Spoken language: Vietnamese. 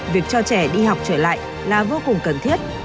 việc cho trẻ đi học trở lại là vô cùng cần thiết